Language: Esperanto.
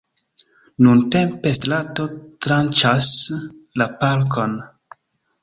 Nuntempe strato tranĉas la parkon.